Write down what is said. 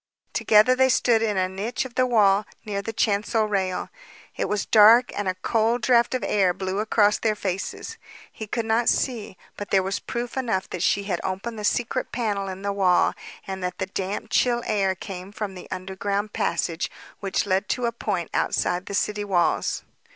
Together they stood in a niche of the wall near the chancel rail. It was dark and a cold draft of air blew across their faces. He could not see, but there was proof enough that she had opened the secret panel in the wall, and that the damp, chill air came from the underground passage, which led to a point outside the city walls.